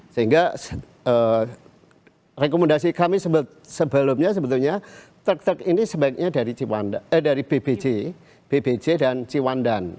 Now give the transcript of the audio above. sehingga rekomendasi kami sebelumnya sebetulnya truk truk ini sebaiknya dari bbj bbc dan ciwandan